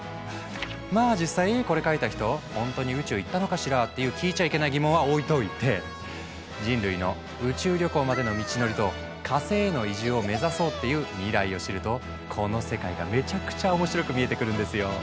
まあ実際これ書いた人ほんとに宇宙行ったのかしら？っていう聞いちゃいけない疑問は置いといて人類の宇宙旅行までの道のりと火星への移住を目指そうっていう未来を知るとこの世界がめちゃくちゃ面白く見えてくるんですよ。